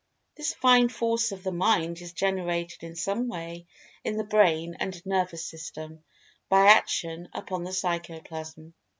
This Fine Force of the Mind is generated in some way in the Brain and Nervous System, by action upon the Psychoplasm.